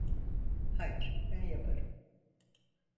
Hayır, ben yaparım.